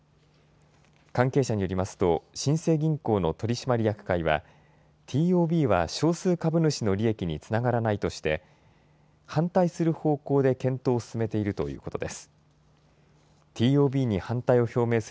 関係者によりますと新生銀行の取締役会はＴＯＢは少数株主の利益につながらないとして反対する方向で検討を進めているということです。